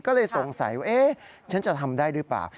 ก็เลยสงสัยว่าเอ๊ะฉันจะทำได้หรือเปล่า